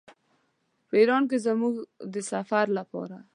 په ایران کې زموږ د سفر لپاره.